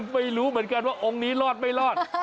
ไม่รู้เหมือนกันว่าองค์นี้รอดไม่รอด